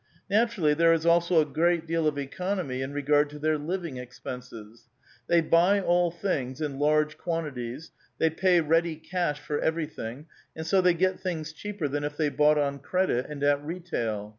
Naturally there is also a great deal of economy in regard to their living expenses. They buy all things in large quan tities ; Ihey pa}^ ready cash for everything, and so they get things cheaper than if they bought on credit and at retail.